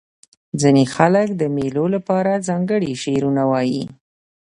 ځیني خلک د مېلو له پاره ځانګړي شعرونه وايي.